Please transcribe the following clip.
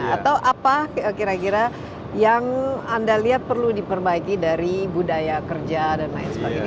atau apa kira kira yang anda lihat perlu diperbaiki dari budaya kerja dan lain sebagainya